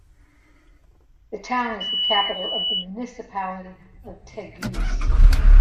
The town is the capital of the municipality of Teguise.